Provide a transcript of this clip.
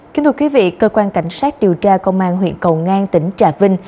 kính thưa quý vị cơ quan cảnh sát điều tra công an huyện cầu ngang tỉnh trà vinh